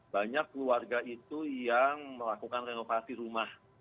banyak keluarga itu yang melakukan renovasi rumah